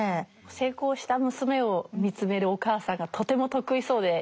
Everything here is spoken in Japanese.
成功した娘を見つめるお母さんがとても得意そうでいいですよね。